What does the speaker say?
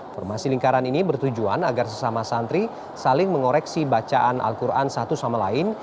formasi lingkaran ini bertujuan agar sesama santri saling mengoreksi bacaan al quran satu sama lain